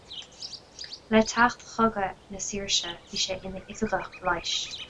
Le teacht Chogadh na Saoirse, bhí sé ina oifigeach leighis.